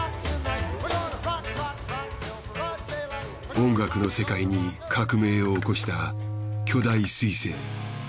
音楽の世界に革命を起こした巨大彗星。